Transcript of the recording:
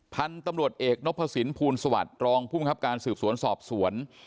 พันธุ์ตำรวจเอกนพสินภูลสวัสดิ์รองภูมิครับการสืบสวนสอบสวน